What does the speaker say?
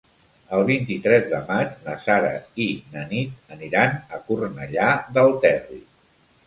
El vint-i-tres de maig na Sara i na Nit aniran a Cornellà del Terri.